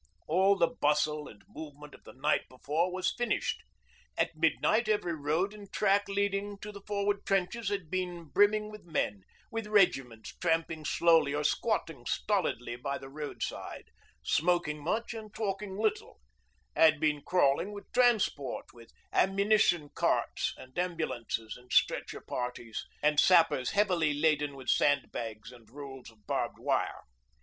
All the bustle and movement of the night before was finished. At midnight every road and track leading to the forward trenches had been brimming with men, with regiments tramping slowly or squatting stolidly by the roadside, smoking much and talking little, had been crawling with transport, with ammunition carts, and ambulances and stretcher parties, and sappers heavily laden with sandbags and rolls of barbed wire.